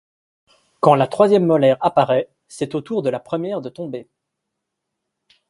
Quand la troisième molaire apparait, c'est au tour de la première de tomber.